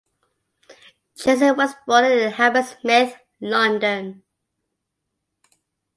Chazen was born in Hammersmith, London.